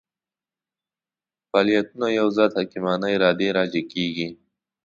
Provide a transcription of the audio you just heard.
فاعلیتونه یوه ذات حکیمانه ارادې راجع کېږي.